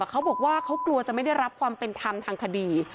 เขาบอกว่าเขากลัวจะไม่ได้รับความเป็นธรรมทางคดี